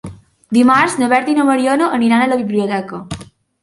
Dimarts na Berta i na Mariona aniran a la biblioteca.